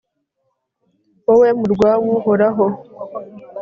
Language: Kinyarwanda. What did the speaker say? wowe, murwa w'uhoraho